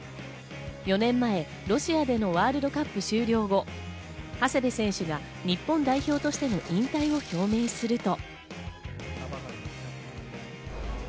４年前、ロシアでのワールドカップ終了後、長谷部選手が日本代表としての引退を表明すると。